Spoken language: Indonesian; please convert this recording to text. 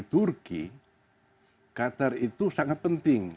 turki qatar itu sangat penting